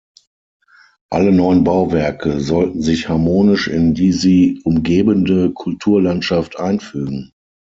Alle neuen Bauwerke sollten sich harmonisch in die sie umgebende Kulturlandschaft einfügen.